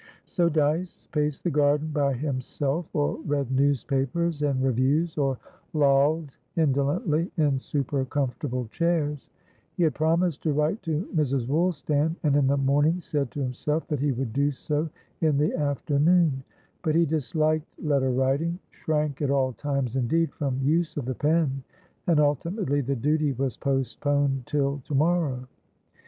So Dyce paced the garden by himself, or read newspapers and reviews, or lolled indolently in super comfortable chairs. He had promised to write to Mrs. Woolstan, and in the morning said to himself that he would do so in the afternoon; but he disliked letter writing, shrank at all times, indeed, from use of the pen, and ultimately the duty was postponed till to morrow.